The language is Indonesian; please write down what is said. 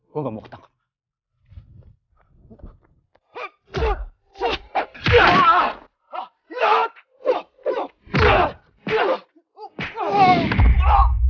gue gak mau ketangkap